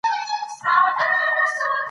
هر لیکوال باید خپله ونډه واخلي.